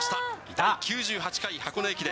第９８回箱根駅伝。